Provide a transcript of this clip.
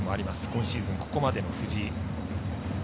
今シーズン、ここまでの藤井。